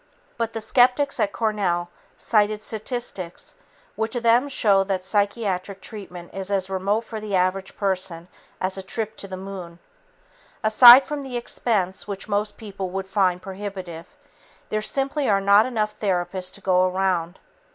But the skeptics at Cornell cited statistics which to them show that psychiatric treatment is as remote for the average person as a trip to the moon. Aside from the expense, which most people would find prohibitive, there simply are not enough therapists to go around.